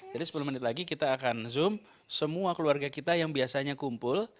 jadi sepuluh menit lagi kita akan zoom semua keluarga kita yang biasanya kumpul